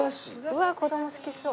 うわー子ども好きそう。